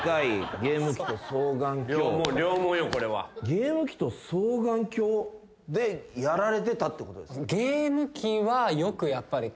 ゲーム機と双眼鏡でやられてたってことですか？